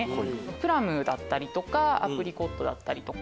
プラムだったりとかアプリコットだったりとか。